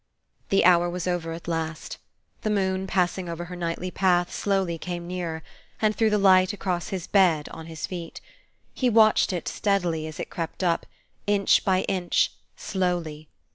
The hour was over at last. The moon, passing over her nightly path, slowly came nearer, and threw the light across his bed on his feet. He watched it steadily, as it crept up, inch by inch, slowly.